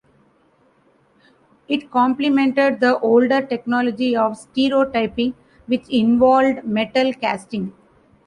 It complemented the older technology of stereotyping, which involved metal casting.